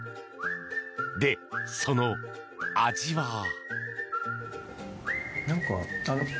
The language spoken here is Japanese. で、その味は。